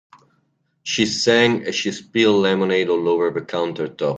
She sang as she spilled lemonade all over the countertop.